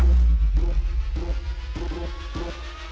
ก็พูดว่าวันนี้มีคนจะมาวางยานักมัวให้ระวังดีนะครับ